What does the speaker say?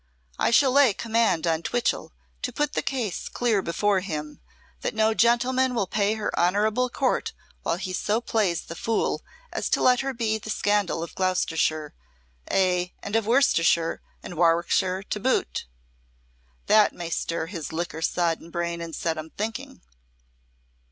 I shall lay command on Twichell to put the case clear before him that no gentleman will pay her honourable court while he so plays the fool as to let her be the scandal of Gloucestershire aye, and of Worcestershire and Warwickshire to boot. That may stir his liquor sodden brain and set him thinking."